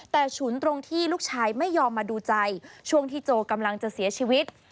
แต่ฉุนตรงที่ลูกชายไม่ยอมมาดูใจช่วงที่โจกำลังจะเสียชีวิต